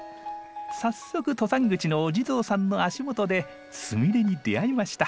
早速登山口のお地蔵さんの足元でスミレに出会いました。